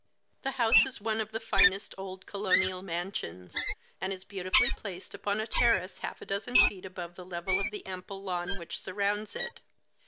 The house is one of the finest of old colonial mansions, and is beautifully placed upon a terrace half a dozen feet above the level of the ample lawn which surrounds it.